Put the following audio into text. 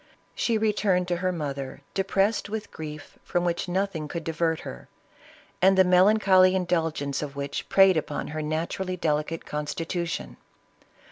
She returned to her mother, depressed with grief from which nothing could divert her, and the melancholy indulgence of which preyed upon her naturally delicate constitution.